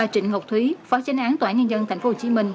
tổ chức tranh án tòa nhân dân thành phố hồ chí minh